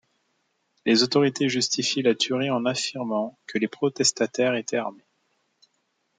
Les autorités justifient la tuerie en affirmant que les protestataires étaient armés.